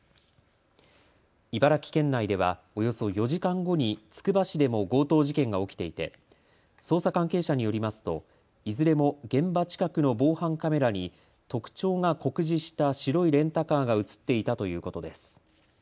茨城県内ではおよそ４時間後につくば市でも強盗事件が起きていて捜査関係者によりますといずれも現場近くの防犯カメラに特徴が酷似した白いレンタカーが写っていたということです。